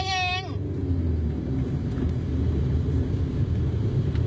อันนี้๓๐๐บาทเอง